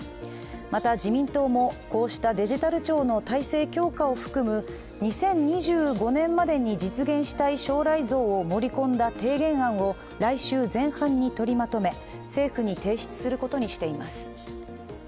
また、自民党もこうしたデジタル庁の体制強化を含む２０２５年までに実現したい将来像を盛り込んだ提言案を来週前半に取りまとめ政府に提出することにしています。